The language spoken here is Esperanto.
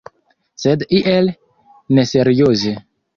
Sed iel neserioze.